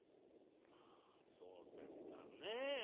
「まあそうですかね。